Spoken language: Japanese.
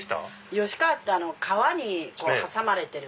吉川って川に挟まれてる。